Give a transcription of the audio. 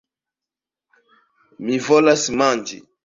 Mi volas manĝi!